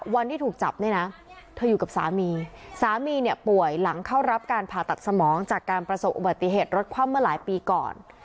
วันที่ถูกจับเนี่ยนะเธออยู่กับสามีสามีเนี่ยป่วยหลังเข้ารับการผ่าตัดสมองจากการประสบอุบัติเหตุรถคว่ำเมื่อหลายปีก่อน